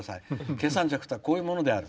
計算尺というのはこういうものである。